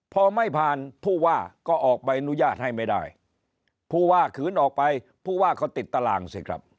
พอไม่ผ่านผู้ว่าก็ออกใบอนุญาตให้ไม่ได้ผู้ว่าขืนออกไปผู้ว่าก็ติดตารางสิครับ